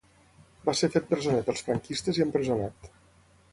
Va ser fet presoner pels franquistes i empresonat.